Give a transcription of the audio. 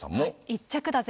１着だぜ。